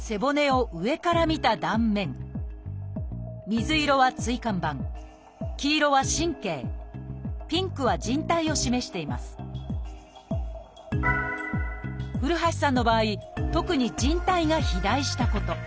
水色は椎間板黄色は神経ピンクはじん帯を示しています古橋さんの場合特にじん帯が肥大したこと。